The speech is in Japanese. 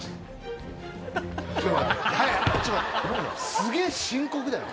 すげぇ深刻だよね。